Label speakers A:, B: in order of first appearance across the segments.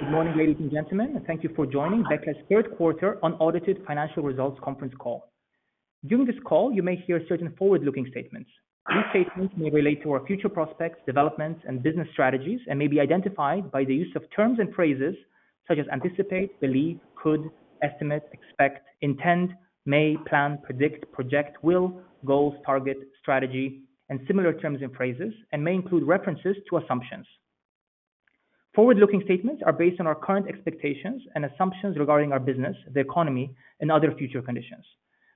A: Good morning, ladies and gentlemen. Thank you for joining Becle's Q3 Unaudited Financial Results Conference Call. During this call, you may hear certain forward-looking statements. These statements may relate to our future prospects, developments, and business strategies, and may be identified by the use of terms and phrases such as anticipate, believe, could, estimate, expect, intend, may, plan, predict, project, will, goals, target, strategy, and similar terms and phrases, and may include references to assumptions. Forward-looking statements are based on our current expectations and assumptions regarding our business, the economy, and other future conditions.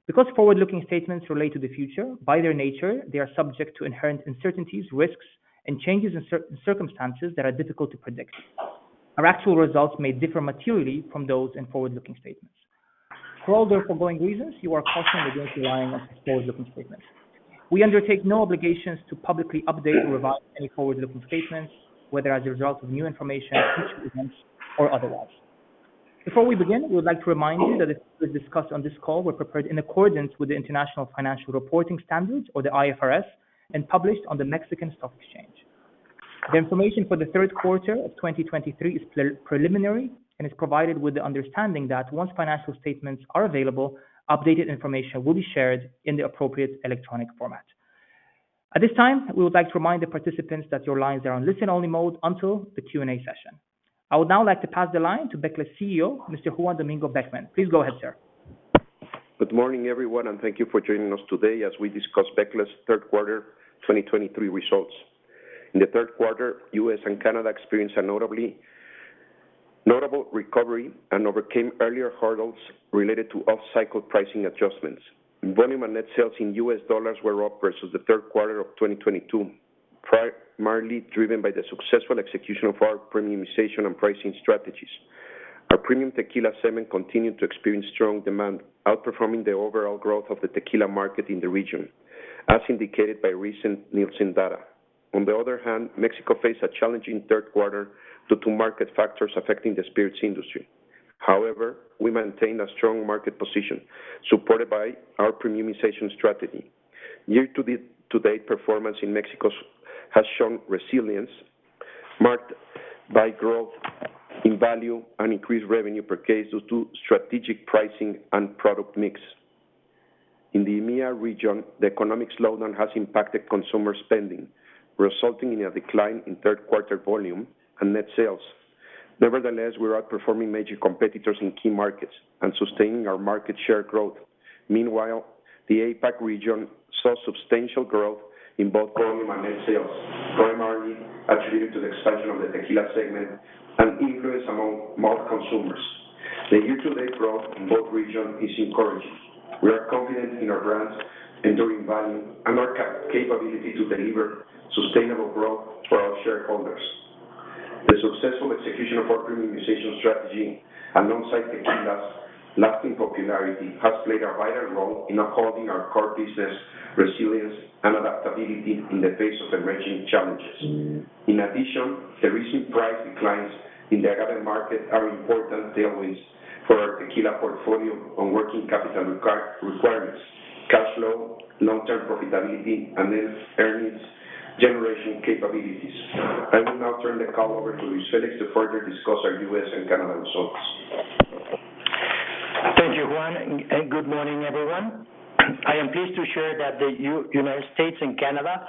A: Because forward-looking statements relate to the future, by their nature, they are subject to inherent uncertainties, risks, and changes in circumstances that are difficult to predict. Our actual results may differ materially from those in forward-looking statements. For all the foregoing reasons, you are cautioned against relying on forward-looking statements. We undertake no obligations to publicly update or revise any forward-looking statements, whether as a result of new information, future events, or otherwise. Before we begin, we would like to remind you that as discussed on this call, we're prepared in accordance with the International Financial Reporting Standards, or the IFRS, and published on the Mexican Stock Exchange. The information for the Q3 of 2023 is preliminary and is provided with the understanding that once financial statements are available, updated information will be shared in the appropriate electronic format. At this time, we would like to remind the participants that your lines are on listen-only mode until the Q&A session. I would now like to pass the line to Becle's CEO, Mr. Juan Domingo Beckmann. Please go ahead, sir.
B: Good morning, everyone, and thank you for joining us today as we discuss Becle's Q3 2023 results. In the Q3, U.S. and Canada experienced a notable recovery and overcame earlier hurdles related to off-cycle pricing adjustments. Volume and net sales in U.S. dollars were up versus the Q3 of 2022, primarily driven by the successful execution of our premiumization and pricing strategies. Our premium Tequila segment continued to experience strong demand, outperforming the overall growth of the Tequila market in the region, as indicated by recent Nielsen data. On the other hand, Mexico faced a challenging Q3 due to market factors affecting the spirits industry. However, we maintained a strong market position, supported by our premiumization strategy. Year-to-date, total performance in Mexico has shown resilience, marked by growth in value and increased revenue per case due to strategic pricing and product mix. In the EMEA region, the economic slowdown has impacted consumer spending, resulting in a decline in Q3 volume and net sales. Nevertheless, we are outperforming major competitors in key markets and sustaining our market share growth. Meanwhile, the APAC region saw substantial growth in both volume and net sales, primarily attributed to the expansion of the Tequila segment and increase among malt consumers. The year-to-date growth in both regions is encouraging. We are confident in our brands' enduring value and our capability to deliver sustainable growth for our shareholders. The successful execution of our premiumization strategy alongside tequila's lasting popularity, has played a vital role in upholding our core business resilience and adaptability in the face of emerging challenges. In addition, the recent price declines in the agave market are important tailwinds for our tequila portfolio on working capital requirements, cash flow, long-term profitability, and then earnings generation capabilities. I will now turn the call over to Luis Félix to further discuss our U.S. and Canada results.
C: Thank you, Juan, and good morning, everyone. I am pleased to share that the United States and Canada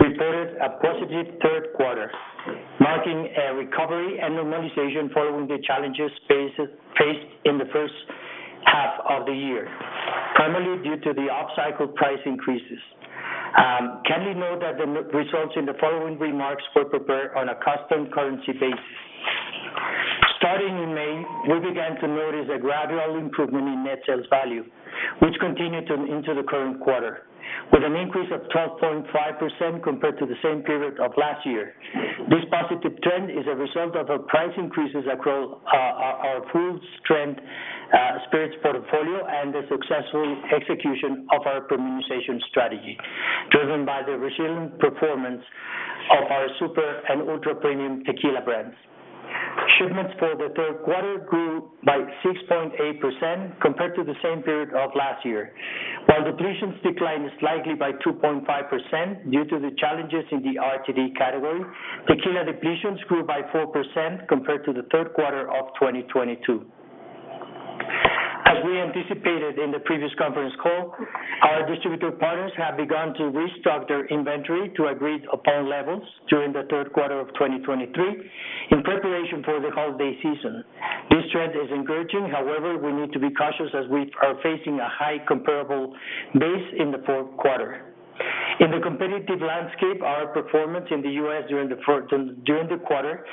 C: reported a positive Q3, marking a recovery and normalization following the challenges faced in the H1 of the year, primarily due to the off-cycle price increases. Kindly note that the results in the following remarks were prepared on a custom currency basis. Starting in May, we began to notice a gradual improvement in net sales value, which continued to into the current quarter, with an increase of 12.5% compared to the same period of last year. This positive trend is a result of our price increases across our full-strength spirits portfolio and the successful execution of our premiumization strategy, driven by the resilient performance of our super and ultra-premium tequila brands. Shipments for the Q3 grew by 6.8% compared to the same period of last year. While depletions declined slightly by 2.5% due to the challenges in the RTD category, Tequila depletions grew by 4% compared to the Q3 of 2022. As we anticipated in the previous conference call, our distributor partners have begun to restock their inventory to agreed-upon levels during the Q3 of 2023 in preparation for the holiday season. This trend is encouraging. However, we need to be cautious as we are facing a high comparable base in the Q4. In the competitive landscape, our performance in the U.S. during the quarter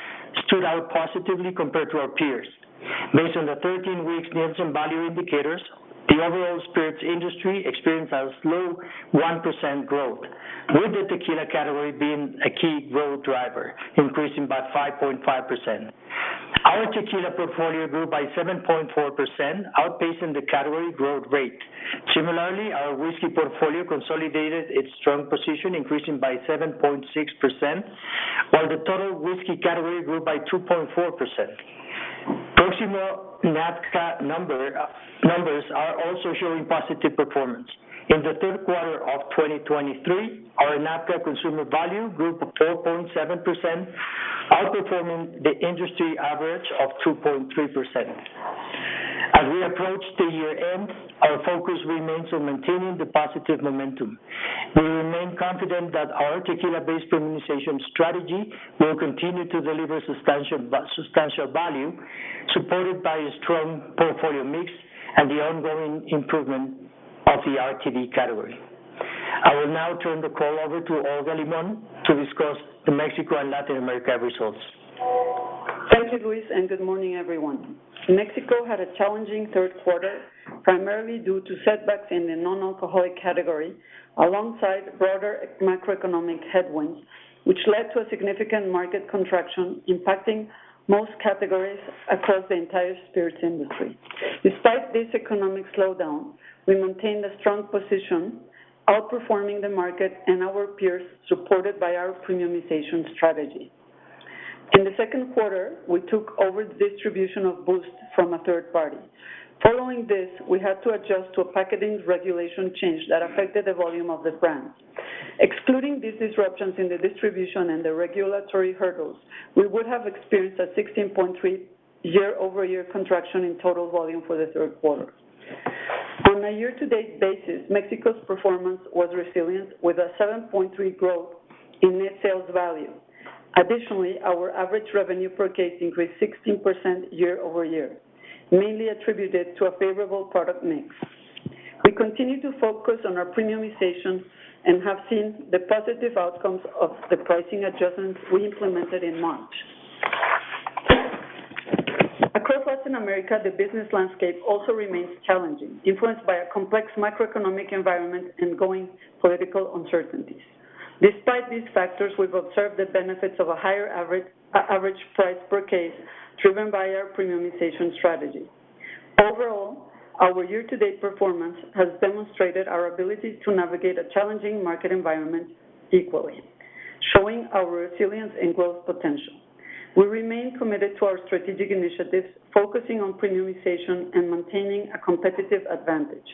C: stood out positively compared to our peers. Based on the 13-week Nielsen value indicators, the overall spirits industry experienced a slow 1% growth, with the tequila category being a key growth driver, increasing by 5.5%. Our tequila portfolio grew by 7.4%, outpacing the category growth rate. Similarly, our whiskey portfolio consolidated its strong position, increasing by 7.6%, while the total whiskey category grew by 2.4%....
D: Proximo NABCA numbers are also showing positive performance. In the Q3 of 2023, our NABCA consumer value grew 4.7%, outperforming the industry average of 2.3%. As we approach the year-end, our focus remains on maintaining the positive momentum. We remain confident that our tequila-based premiumization strategy will continue to deliver substantial value, supported by a strong portfolio mix and the ongoing improvement of the RTD category. I will now turn the call over to Olga Limón to discuss the Mexico and Latin America results.
E: Thank you, Luis, and good morning, everyone. Mexico had a challenging Q3, primarily due to setbacks in the non-alcoholic category, alongside broader macroeconomic headwinds, which led to a significant market contraction, impacting most categories across the entire spirits industry. Despite this economic slowdown, we maintained a strong position, outperforming the market and our peers, supported by our premiumization strategy. In the Q2, we took over the distribution of B:oost from a third party. Following this, we had to adjust to a packaging regulation change that affected the volume of the brand. Excluding these disruptions in the distribution and the regulatory hurdles, we would have experienced a 16.3% year-over-year contraction in total volume for the Q3. On a year-to-date basis, Mexico's performance was resilient, with a 7.3% growth in net sales value. Additionally, our average revenue per case increased 16% year-over-year, mainly attributed to a favorable product mix. We continue to focus on our premiumization and have seen the positive outcomes of the pricing adjustments we implemented in March. Across Latin America, the business landscape also remains challenging, influenced by a complex macroeconomic environment and ongoing political uncertainties. Despite these factors, we've observed the benefits of a higher average price per case, driven by our premiumization strategy. Overall, our year-to-date performance has demonstrated our ability to navigate a challenging market environment equally, showing our resilience and growth potential. We remain committed to our strategic initiatives, focusing on premiumization and maintaining a competitive advantage.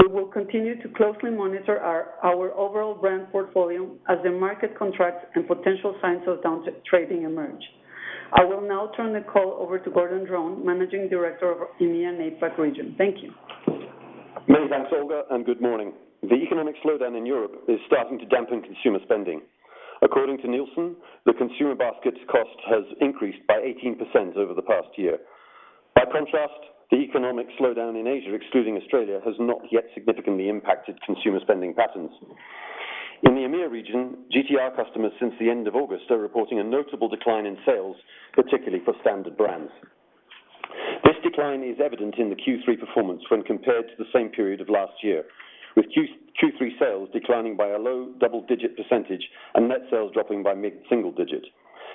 E: We will continue to closely monitor our overall brand portfolio as the market contracts and potential signs of down trading emerge. I will now turn the call over to Gordon Dron, Managing Director of EMEA and APAC region. Thank you.
F: Many thanks, Olga, and good morning. The economic slowdown in Europe is starting to dampen consumer spending. According to Nielsen, the consumer basket's cost has increased by 18% over the past year. By contrast, the economic slowdown in Asia, excluding Australia, has not yet significantly impacted consumer spending patterns. In the EMEA region, GTR customers since the end of August are reporting a notable decline in sales, particularly for standard brands. This decline is evident in the Q3 performance when compared to the same period of last year, with Q3 sales declining by a low double-digit % and net sales dropping by mid-single-digit.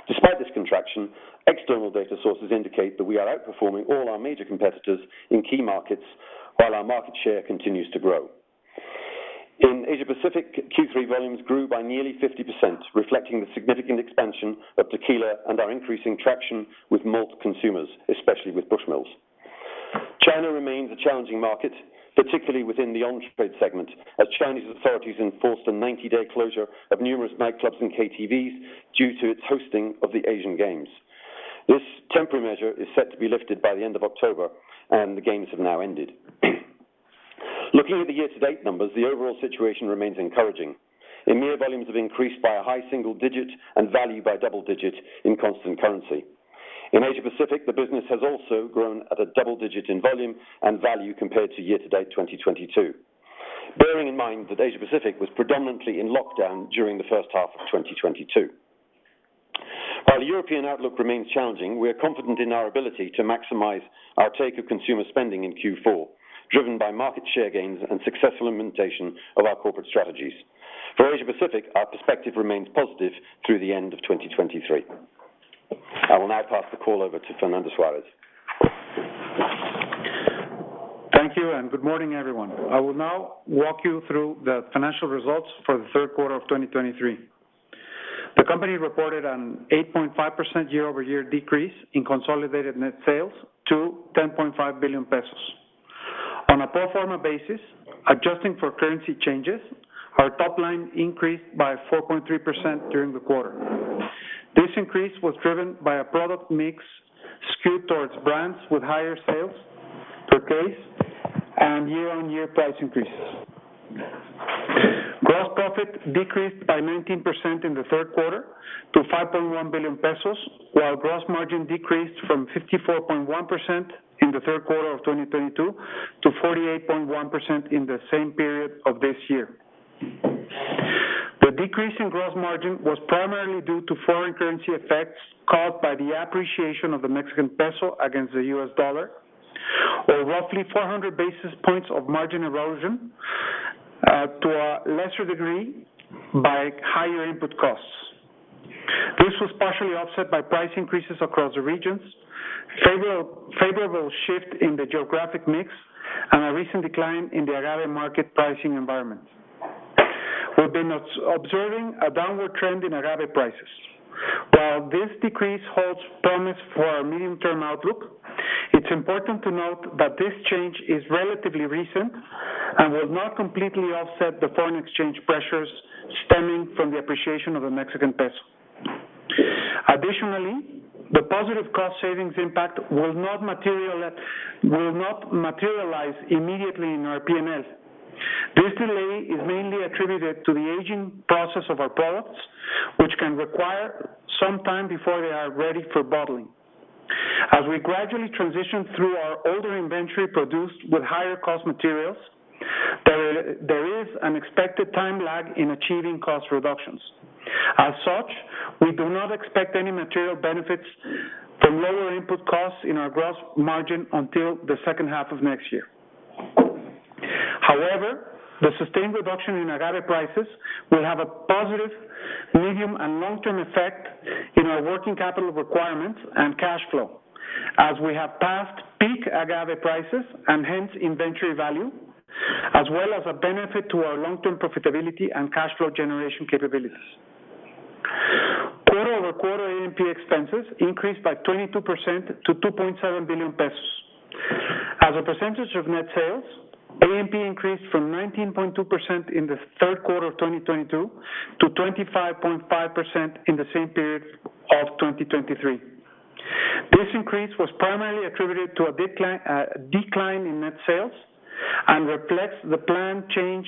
F: Despite this contraction, external data sources indicate that we are outperforming all our major competitors in key markets, while our market share continues to grow. In Asia Pacific, Q3 volumes grew by nearly 50%, reflecting the significant expansion of tequila and our increasing traction with malt consumers, especially with Bushmills. China remains a challenging market, particularly within the on-trade segment, as Chinese authorities enforced a 90-day closure of numerous nightclubs and KTVs due to its hosting of the Asian Games. This temporary measure is set to be lifted by the end of October, and the games have now ended. Looking at the year-to-date numbers, the overall situation remains encouraging. EMEA volumes have increased by a high single digit and value by a double digit in constant currency. In Asia-Pacific, the business has also grown at a double digit in volume and value compared to year-to-date 2022. Bearing in mind that Asia-Pacific was predominantly in lockdown during the H1 of 2022. While the European outlook remains challenging, we are confident in our ability to maximize our take of consumer spending in Q4, driven by market share gains and successful implementation of our corporate strategies. For Asia-Pacific, our perspective remains positive through the end of 2023. I will now pass the call over to Fernando Suárez.
D: Thank you, and good morning, everyone. I will now walk you through the financial results for the Q3 of 2023. The company reported an 8.5% year-over-year decrease in consolidated net sales to 10.5 billion pesos. On a pro forma basis, adjusting for currency changes, our top line increased by 4.3% during the quarter. This increase was driven by a product mix skwetowards brands with higher sales per case and year-on-year price increases. Gross profit decreased by 19% in the Q3 to 5.1 billion pesos, while gross margin decreased from 54.1% in the Q3 of 2022 to 48.1% in the same period of this year. The decrease in gross margin was primarily due to foreign currency effects caused by the appreciation of the Mexican peso against the US dollar, or roughly 400 basis points of margin erosion, to a lesser degree, by higher input costs. This was partially offset by price increases across the regions, favorable shift in the geographic mix, and a recent decline in the agave market pricing environment. We've been observing a downward trend in agave prices. While this decrease holds promise for our medium-term outlook, it's important to note that this change is relatively recent and will not completely offset the foreign exchange pressures stemming from the appreciation of the Mexican peso. Additionally, the positive cost savings impact will not materialize immediately in our P&L. This delay is mainly attributed to the aging process of our products, which can require some time before they are ready for bottling. As we gradually transition through our older inventory produced with higher cost materials, there is an expected time lag in achieving cost reductions. As such, we do not expect any material benefits from lower input costs in our gross margin until the H2 of next year. However, the sustained reduction in agave prices will have a positive medium and long-term effect in our working capital requirements and cash flow, as we have passed peak agave prices and hence inventory value, as well as a benefit to our long-term profitability and cash flow generation capabilities. Quarter-over-quarter A&P expenses increased by 22% to 2.7 billion pesos. As a percentage of net sales, A&P increased from 19.2% in the Q3 of 2022, to 25.5% in the same period of 2023. This increase was primarily attributed to a decline in net sales and reflects the planned change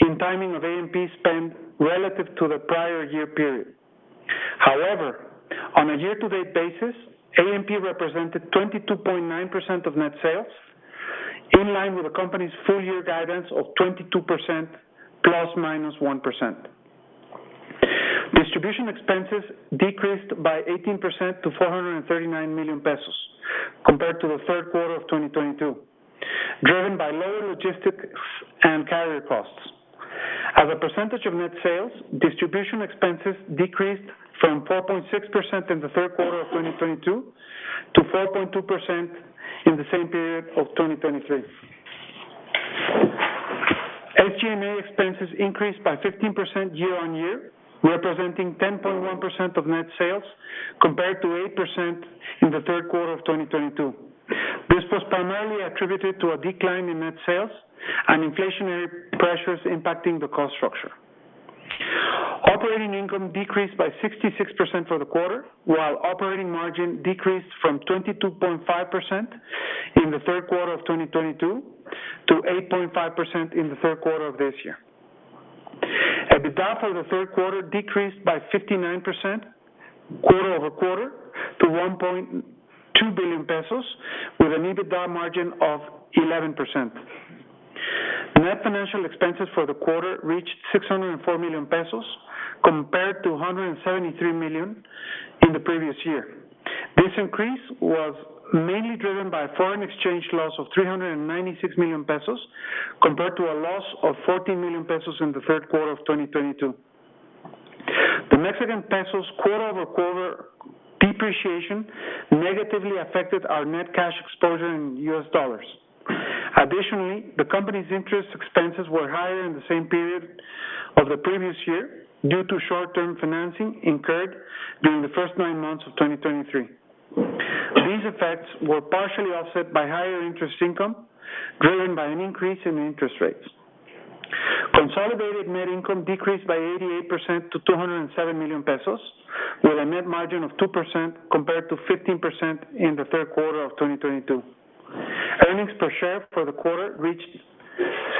D: in timing of A&P spend relative to the prior year period. However, on a year-to-date basis, A&P represented 22.9% of net sales, in line with the company's full year guidance of 22% ±1%. Distribution expenses decreased by 18% to 439 million pesos, compared to the Q3 of 2022, driven by lower logistics and carrier costs. As a percentage of net sales, distribution expenses decreased from 4.6% in the Q3 of 2022, to 4.2% in the same period of 2023. SG&A expenses increased by 15% year-on-year, representing 10.1% of net sales, compared to 8% in the Q3 of 2022. This was primarily attributed to a decline in net sales and inflationary pressures impacting the cost structure. Operating income decreased by 66% for the quarter, while operating margin decreased from 22.5% in the Q3 of 2022, to 8.5% in the Q3 of this year. EBITDA for the Q3 decreased by 59% quarter-over-quarter, to 1.2 billion pesos, with an EBITDA margin of 11%. Net financial expenses for the quarter reached 604 million pesos, compared to 173 million in the previous year. This increase was mainly driven by a foreign exchange loss of 396 million pesos, compared to a loss of 14 million pesos in the Q3 of 2022. The Mexican peso quarter-over-quarter depreciation negatively affected our net cash exposure in the US dollar. Additionally, the company's interest expenses were higher in the same period of the previous year due to short-term financing incurred during the first nine months of 2023. These effects were partially offset by higher interest income, driven by an increase in interest rates. Consolidated net income decreased by 88% to 207 million pesos, with a net margin of 2% compared to 15% in the Q3 of 2022. Earnings per share for the quarter reached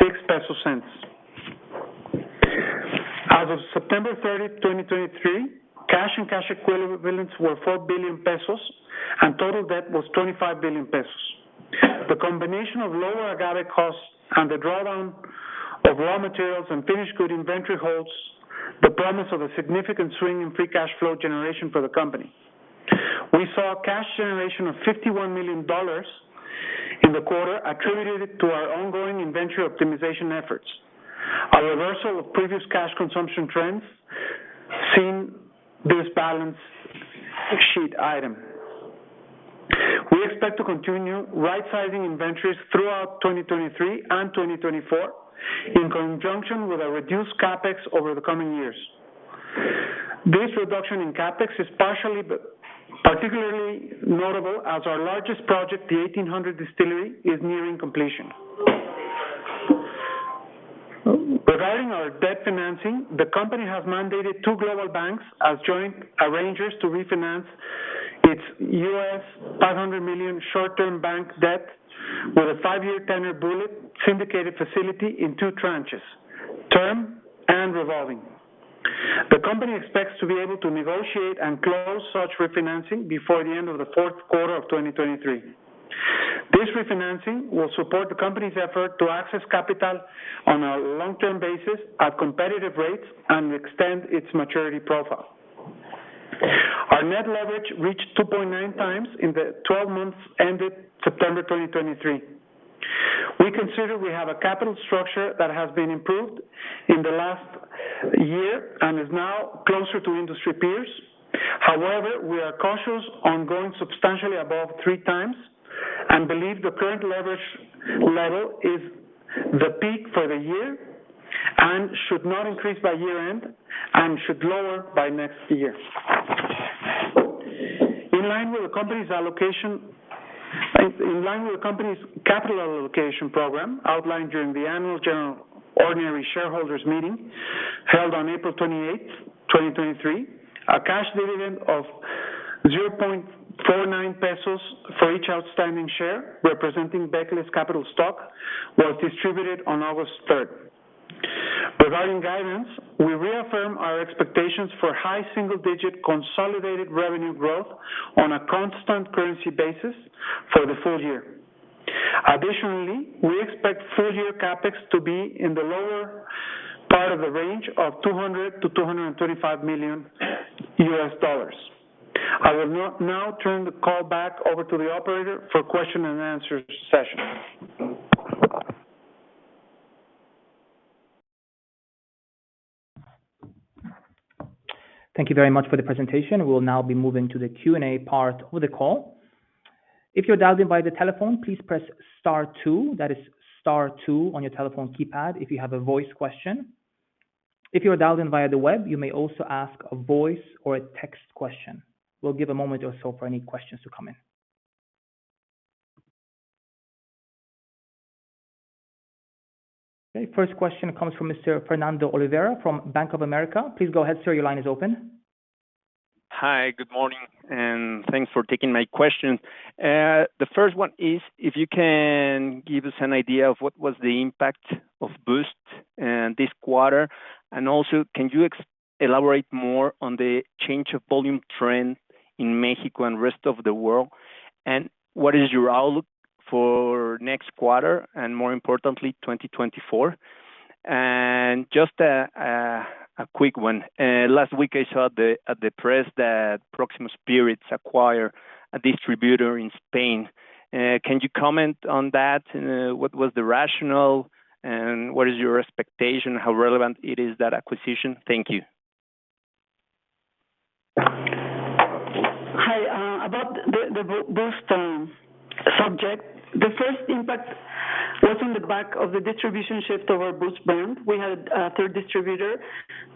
D: 0.06. As of September 30, 2023, cash and cash equivalents were 4 billion pesos, and total debt was 25 billion pesos. The combination of lower agave costs and the drawdown of raw materials and finished good inventory holds the promise of a significant swing in free cash flow generation for the company. We saw cash generation of $51 million in the quarter, attributed to our ongoing inventory optimization efforts. A reversal of previous cash consumption trends seen this balance sheet item. We expect to continue right-sizing inventories throughout 2023 and 2024, in conjunction with a reduced Capex over the coming years. This reduction in Capex is partially, particularly notable as our largest project, the 1800 distillery, is nearing completion. Regarding our debt financing, the company has mandated two global banks as joint arrangers to refinance its U.S. $500 million short-term bank debt with a five-year tenure bullet syndicated facility in two tranches: term and revolving. The company expects to be able to negotiate and close such refinancing before the end of the Q4 of 2023. This refinancing will support the company's effort to access capital on a long-term basis, at competitive rates, and extend its maturity profile. Our net leverage reached 2.9x in the 12 months ended September 2023. We consider we have a capital structure that has been improved in the last year and is now closer to industry peers. However, we are cautious on going substantially above 3x,... We believe the current leverage level is the peak for the year, and should not increase by year-end, and should lower by next year. In line with the company's capital allocation program, outlined during the annual general ordinary shareholders meeting, held on April 28, 2023, a cash dividend of 0.49 pesos for each outstanding share, representing Becle's capital stock, was distributed on August 3. Regarding guidance, we reaffirm our expectations for high single-digit consolidated revenue growth on a constant currency basis for the full year. Additionally, we expect full year Capex to be in the lower part of the range of $200 million-$235 million. I will now turn the call back over to the operator for question and answer session.
A: Thank you very much for the presentation. We will now be moving to the Q&A part of the call. If you're dialed in via the telephone, please press star two. That is, star two on your telephone keypad if you have a voice question. If you are dialed in via the web, you may also ask a voice or a text question. We'll give a moment or so for any questions to come in. Okay, first question comes from Mr. Fernando Olvera from Bank of America. Please go ahead, sir. Your line is open.
G: Hi, good morning, and thanks for taking my question. The first one is, if you can give us an idea of what was the impact of B:oost this quarter, and also, can you elaborate more on the change of volume trend in Mexico and rest of the world? And what is your outlook for next quarter, and more importantly, 2024? And just a quick one. Last week I saw the, at the press that Proximo Spirits acquire a distributor in Spain. Can you comment on that? What was the rationale, and what is your expectation, how relevant it is, that acquisition? Thank you.
E: Hi, about the B:oost subject. The first impact was on the back of the distribution shift of our B:oost brand. We had a third distributor,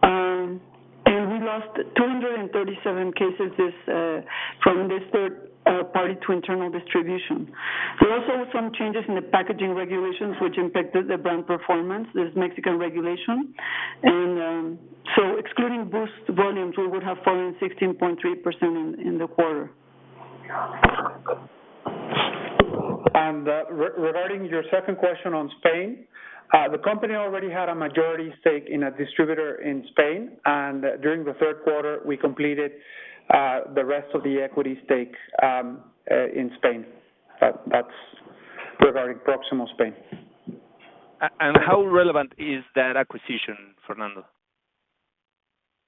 E: and we lost 237 cases from this third party to internal distribution. We also had some changes in the packaging regulations, which impacted the brand performance, this Mexican regulation. So excluding B:oost volumes, we would have fallen 16.3% in the quarter.
D: Regarding your second question on Spain, the company already had a majority stake in a distributor in Spain, and during the Q3, we completed the rest of the equity stake in Spain. But that's regarding Proximo Spain.
G: And how relevant is that acquisition, Fernando?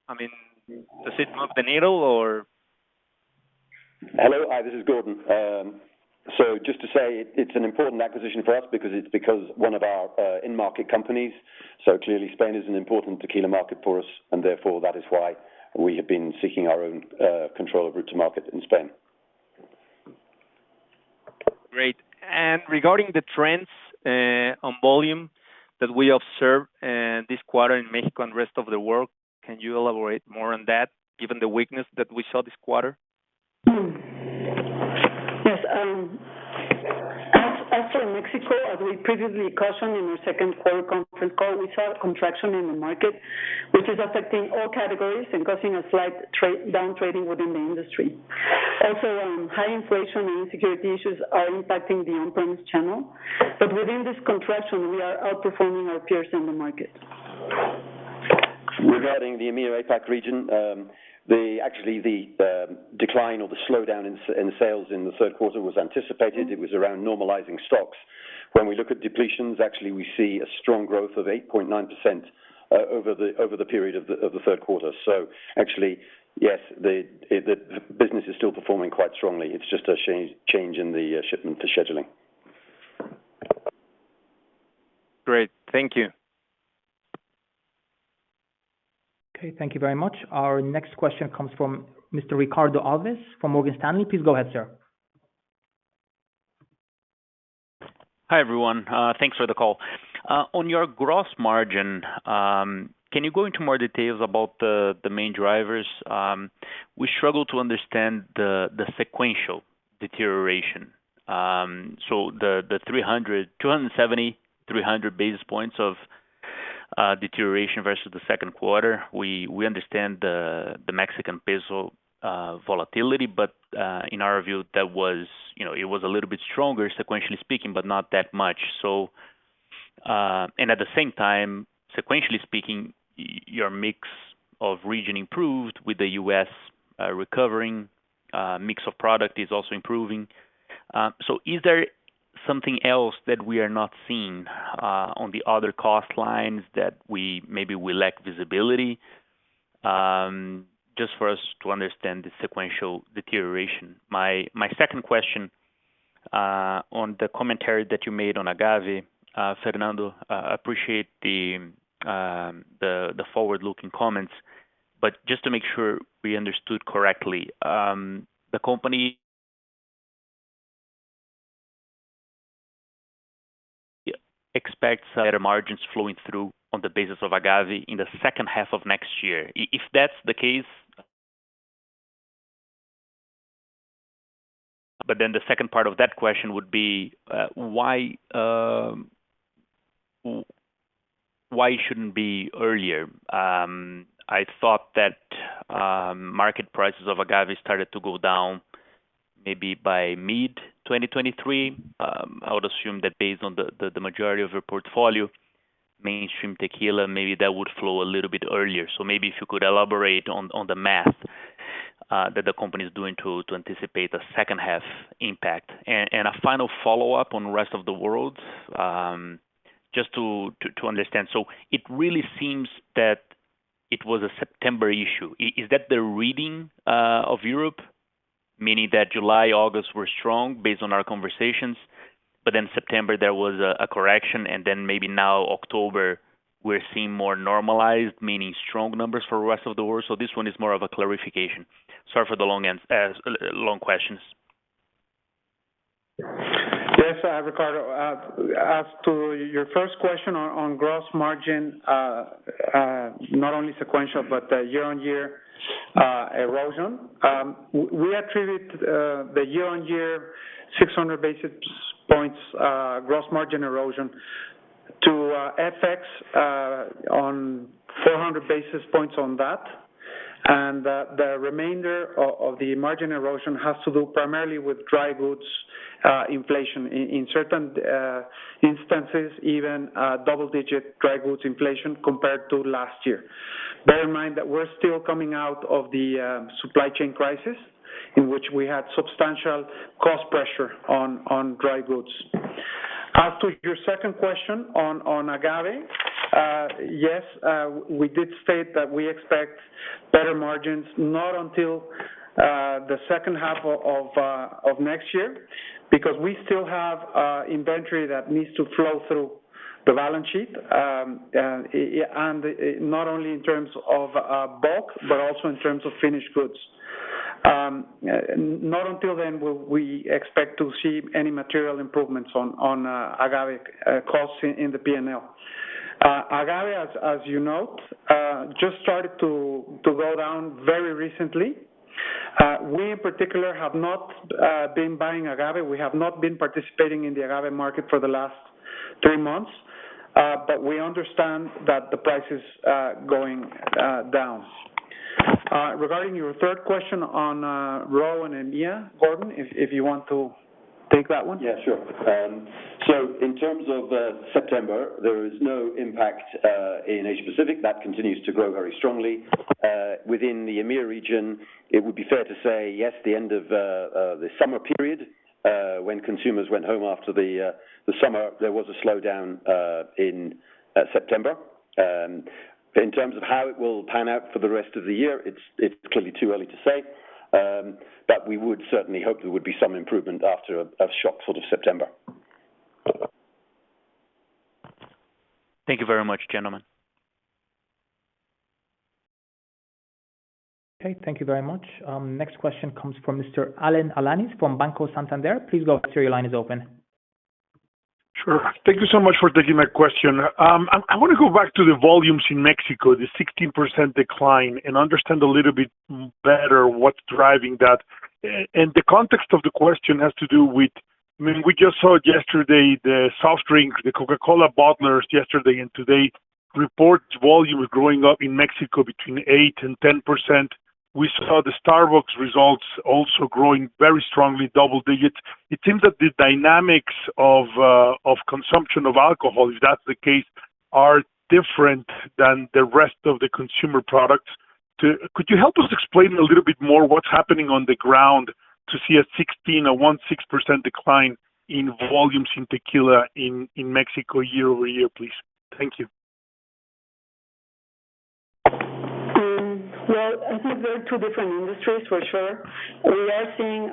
G: I mean, does it move the needle, or?
F: Hello. Hi, this is Gordon. So just to say it's an important acquisition for us because it's one of our in-market companies. So clearly Spain is an important tequila market for us, and therefore, that is why we have been seeking our own control of route to market in Spain.
G: Great. And regarding the trends, on volume that we observed, this quarter in Mexico and rest of the world, can you elaborate more on that, given the weakness that we saw this quarter?
E: Yes. As for Mexico, as we previously cautioned in our Q2 conference call, we saw a contraction in the market, which is affecting all categories and causing a slight downtrading within the industry. Also, high inflation and insecurity issues are impacting the on-premise channel, but within this contraction, we are outperforming our peers in the market.
D: Regarding the EMEA APAC region, actually, the decline or the slowdown in sales in the Q3 was anticipated. It was around normalizing stocks. When we look at depletions, actually, we see a strong growth of 8.9%, over the period of the Q3. So actually, yes, the business is still performing quite strongly. It's just a change in the shipment scheduling.
G: Great. Thank you.
A: Okay, thank you very much. Our next question comes from Mr. Ricardo Alves from Morgan Stanley. Please go ahead, sir.
H: Hi, everyone, thanks for the call. On your gross margin, can you go into more details about the main drivers? We struggle to understand the sequential deterioration. The 300, 270, 300 basis points of deterioration versus the Q2, we understand the Mexican peso volatility, but, you know, it was a little bit stronger, sequentially speaking, but not that much. At the same time, sequentially speaking, your mix of region improved with the U.S. recovering, mix of product is also improving. Is there something else that we are not seeing on the other cost lines that we maybe lack visibility? Just for us to understand the sequential deterioration. My second question, on the commentary that you made on agave, Fernando, appreciate the forward-looking comments. But just to make sure we understood correctly, the company expects better margins flowing through on the basis of agave in the H2 of next year. If that's the case- But then the second part of that question would be, why it shouldn't be earlier? I thought that market prices of agave started to go down maybe by mid-2023. I would assume that based on the majority of your portfolio, mainstream tequila, maybe that would flow a little bit earlier. So maybe if you could elaborate on the math that the company is doing to anticipate a H2 impact. A final follow-up on the rest of the world, just to understand. It really seems that it was a September issue. Is that the reading of Europe? Meaning that July, August were strong, based on our conversations, but then September there was a correction, and then maybe now October, we're seeing more normalized, meaning strong numbers for rest of the world. This one is more of a clarification. Sorry for the long end, long questions.
D: Yes, Ricardo, as to your first question on gross margin, not only sequential, but year-on-year erosion. We attribute the year-on-year 600 basis points gross margin erosion to FX on 400 basis points on that. And the remainder of the margin erosion has to do primarily with dry goods inflation. In certain instances, even double-digit dry goods inflation compared to last year. Bear in mind that we're still coming out of the supply chain crisis, in which we had substantial cost pressure on dry goods. As to your second question on agave, yes, we did state that we expect better margins, not until the H2 of next year, because we still have inventory that needs to flow through the balance sheet. And not only in terms of bulk, but also in terms of finished goods. Not until then will we expect to see any material improvements on Agave costs in the P&L. Agave, as you note, just started to go down very recently. We, in particular, have not been buying agave. We have not been participating in the agave market for the last three months, but we understand that the price is going down. Regarding your third question on RO and EMEA, Gordon, if you want to take that one?
F: Yeah, sure. So in terms of September, there is no impact in Asia Pacific. That continues to grow very strongly. Within the EMEA region, it would be fair to say, yes, the end of the summer period when consumers went home after the summer, there was a slowdown in September. In terms of how it will pan out for the rest of the year, it's clearly too early to say, but we would certainly hope there would be some improvement after a shock sort of September.
H: Thank you very much, gentlemen.
A: Okay, thank you very much. Next question comes from Mr. Alan Alanis from Banco Santander. Please go ahead, your line is open.
I: Sure. Thank you so much for taking my question. I wanna go back to the volumes in Mexico, the 16% decline, and understand a little bit better what's driving that. And the context of the question has to do with... I mean, we just saw yesterday, the soft drinks, the Coca-Cola bottlers yesterday and today, report volume is growing up in Mexico between 8% and 10%. We saw the Starbucks results also growing very strongly, double digits. It seems that the dynamics of, of consumption of alcohol, if that's the case, are different than the rest of the consumer products. Could you help us explain a little bit more what's happening on the ground to see a 16%, a 16% decline in volumes in tequila in Mexico year-over-year, please? Thank you.
E: Well, I think they're two different industries for sure. We are seeing,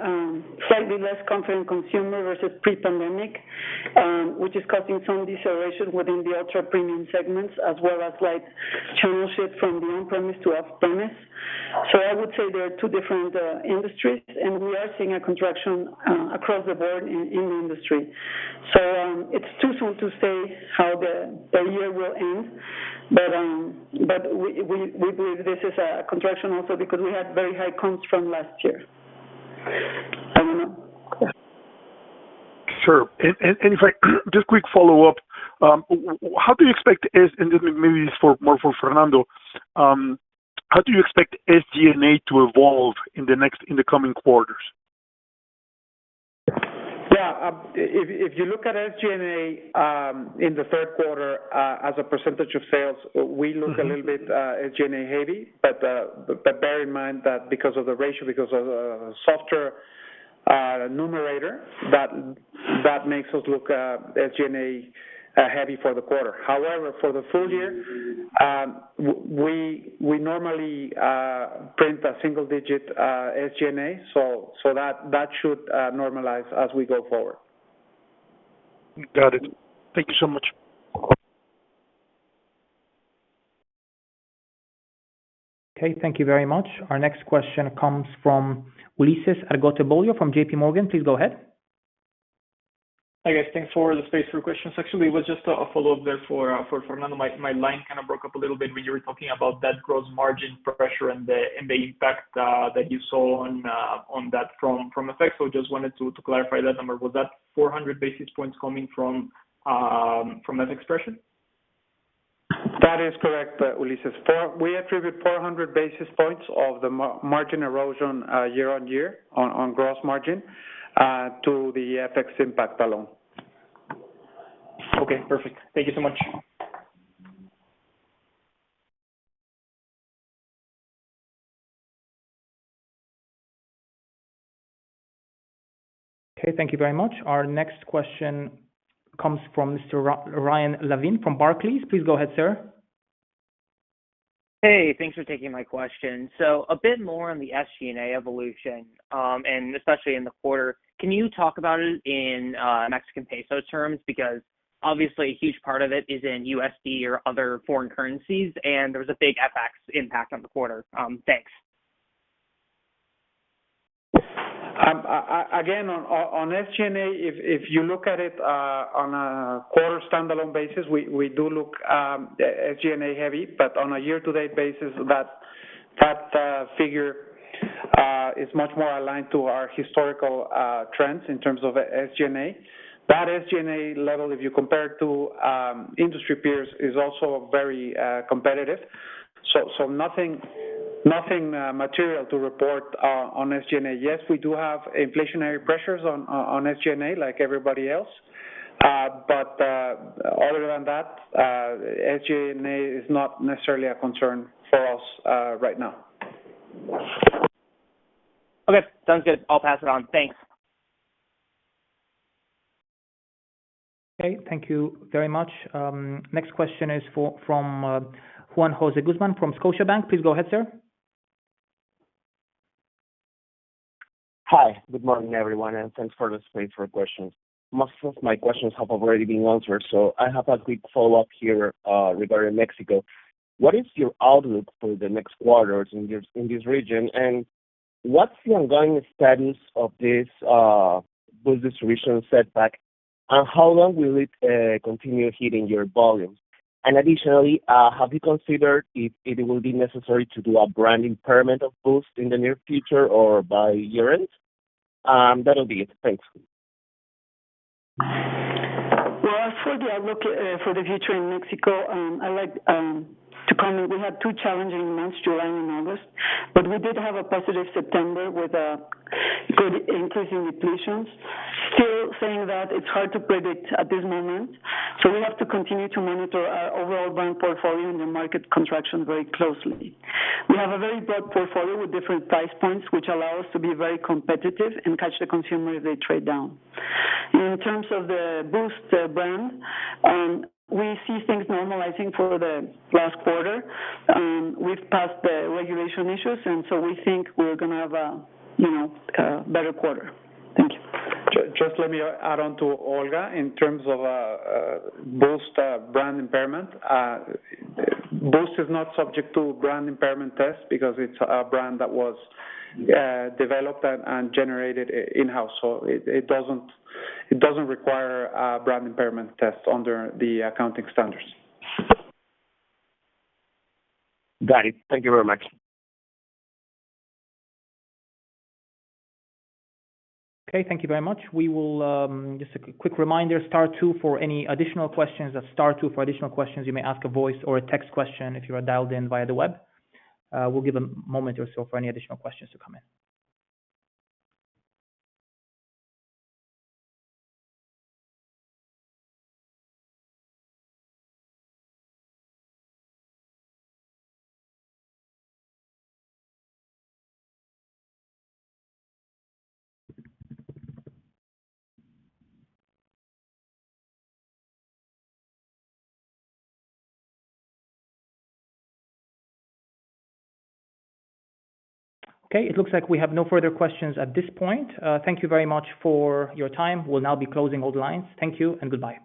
E: slightly less confident consumer versus pre-pandemic, which is causing some deceleration within the ultra premium segments, as well as, like, channel shift from the on-premise to off-premise. So I would say they are two different industries, and we are seeing a contraction, across the board in the industry. So, it's too soon to say how the year will end, but, but we believe this is a contraction also because we had very high comps from last year.
I: Sure. In fact, just quick follow-up. How do you expect SG&A then maybe this for, more for Fernando. How do you expect SG&A to evolve in the next, in the coming quarters?
D: Yeah, if you look at SG&A in the Q3 as a percentage of sales, we look a little bit SG&A heavy. But bear in mind that because of the ratio, because of softer numerator, that makes us look SG&A heavy for the quarter. However, for the full year, we normally print a single digit SG&A, so that should normalize as we go forward....
I: Got it. Thank you so much.
A: Okay, thank you very much. Our next question comes from Ulises Argote Bolio from JP Morgan. Please go ahead.
J: Hi, guys. Thanks for the space for questions. Actually, it was just a follow-up there for Fernando. My line kind of broke up a little bit when you were talking about that gross margin pressure and the impact that you saw on that from FX. So just wanted to clarify that number. Was that 400 basis points coming from that expression?
D: That is correct, Ulises. We attribute 400 basis points of the margin erosion, year-on-year on gross margin, to the FX impact alone.
J: Okay, perfect. Thank you so much.
A: Okay, thank you very much. Our next question comes from Mr. Ryan Levine from Barclays. Please go ahead, sir.
K: Hey, thanks for taking my question. So a bit more on the SG&A evolution, and especially in the quarter. Can you talk about it in, Mexican peso terms? Because obviously a huge part of it is in USD or other foreign currencies, and there was a big FX impact on the quarter. Thanks.
D: Again, on SG&A, if you look at it on a quarter standalone basis, we do look SG&A heavy, but on a year-to-date basis, that figure is much more aligned to our historical trends in terms of SG&A. That SG&A level, if you compare it to industry peers, is also very competitive. So nothing material to report on SG&A. Yes, we do have inflationary pressures on SG&A like everybody else. But other than that, SG&A is not necessarily a concern for us right now.
K: Okay, sounds good. I'll pass it on. Thanks.
A: Okay, thank you very much. Next question is for Juan Jose Guzman from Scotiabank. Please go ahead, sir.
L: Hi, good morning, everyone, and thanks for the space for questions. Most of my questions have already been answered, so I have a quick follow-up here, regarding Mexico. What is your outlook for the next quarters in this, in this region? And what's the ongoing status of this, with this recent setback, and how long will it continue hitting your volumes? And additionally, have you considered if it will be necessary to do a brand impairment of B:oost in the near future or by year-end? That will be it. Thanks.
E: Well, for the outlook, for the future in Mexico, I like to comment, we had two challenging months, July and August, but we did have a positive September with a good increase in depletions. Still saying that it's hard to predict at this moment, so we have to continue to monitor our overall brand portfolio and the market contraction very closely. We have a very broad portfolio with different price points, which allow us to be very competitive and catch the consumer if they trade down. In terms of the B:oost brand, we see things normalizing for the last quarter. We've passed the regulation issues, and so we think we're gonna have a, you know, a better quarter. Thank you.
D: Just let me add on to Olga. In terms of B:oost brand impairment, B:oost is not subject to brand impairment test because it's a brand that was developed and generated in-house. So it doesn't require a brand impairment test under the accounting standards.
L: Got it. Thank you very much.
A: Okay, thank you very much. We will... Just a quick reminder, star two for any additional questions or star two for additional questions you may ask a voice or a text question if you are dialed in via the web. We'll give a moment or so for any additional questions to come in. Okay, it looks like we have no further questions at this point. Thank you very much for your time. We'll now be closing all lines. Thank you and goodbye.